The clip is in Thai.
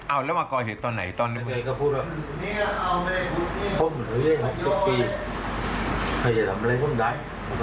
อ้าวแล้วมาก็เห็นตอนไหนตอนนี้มั้ย